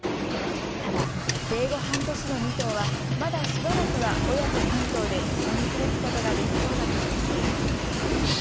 ただ、生後半年の２頭はまだしばらくは親子３頭で一緒に過ごすことができそうだということです。